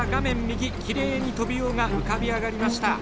右きれいにトビウオが浮かび上がりました。